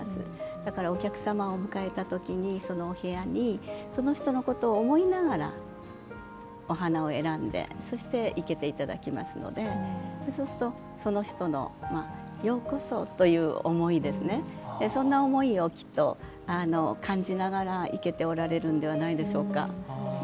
だから、お客様を迎えた時そのお部屋にその人のことを思いながらお花を選んでそして、生けていただきますのでそうすると、その人のようこそという思いそんな思いをきっと感じながら生けておられるんじゃないでしょうか。